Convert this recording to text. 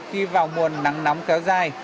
khi vào mùa nắng nóng kéo dài